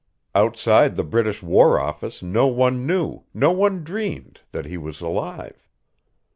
Outside the British War Office no one knew, no one dreamed, that he was alive.